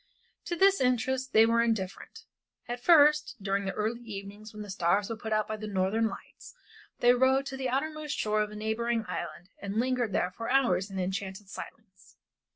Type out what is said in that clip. To this interest they were indifferent. At first, during the early evenings when the stars were put out by the Northern Lights, they rowed to the outermost shore of a neighboring island and lingered there for hours in an enchanted silence.